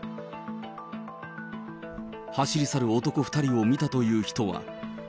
走り去る男２人を見たという人は。